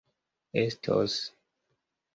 estos